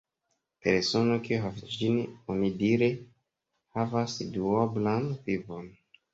Persono kiu havas ĝin onidire havas duoblan vivon.